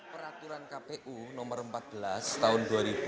peraturan kpu nomor empat belas tahun dua ribu dua puluh